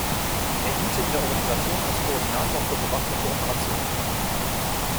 Er diente in der Organisation als Koordinator für bewaffnete Operationen.